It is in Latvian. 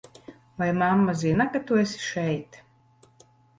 Vai mamma zina, ka tu esi šeit?